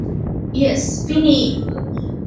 Yes, ফিনি!